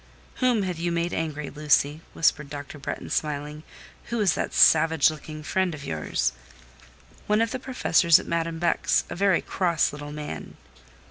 "Whom have you made angry, Lucy?" whispered Dr. Bretton, smiling. "Who is that savage looking friend of yours?" "One of the professors at Madame Beck's: a very cross little man."